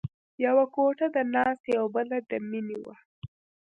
یوه کوټه د ناستې او بله د مینې وه